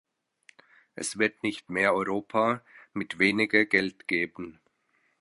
Es wird nicht mehr Europa mit weniger Geld geben.